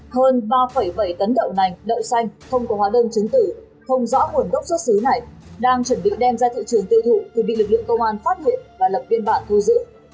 hơn ba bảy tấn đậu nành đậu xanh không có hóa đơn chứng tử không rõ nguồn gốc xuất xứ này đang chuẩn bị đem ra thị trường tiêu thụ thì bị lực lượng công an phát hiện và lập biên bản thu giữ